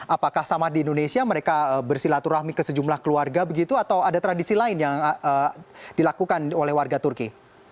apakah sama di indonesia mereka bersilaturahmi ke sejumlah keluarga begitu atau ada tradisi lain yang dilakukan oleh warga turki